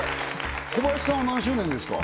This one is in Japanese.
コバヤシさんは何周年ですか？